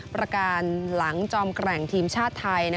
ประการหลังจอมแกร่งทีมชาติไทย